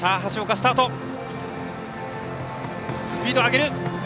スピードを上げる。